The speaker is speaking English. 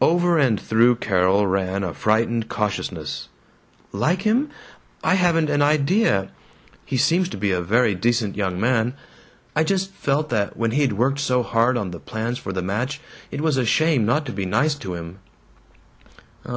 Over and through Carol ran a frightened cautiousness. "Like him? I haven't an í dea. He seems to be a very decent young man. I just felt that when he'd worked so hard on the plans for the match, it was a shame not to be nice to him."